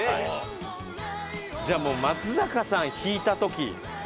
じゃあもう松坂さん引いた時。